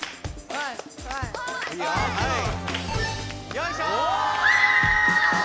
よいしょ！